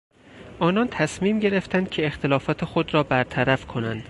آنان تصمیم گرفتند که اختلافات خود را برطرف کنند.